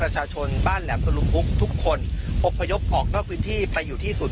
ประชาชนบ้านแหลมตะลุมพุกทุกคนอบพยพออกนอกพื้นที่ไปอยู่ที่ศูนย์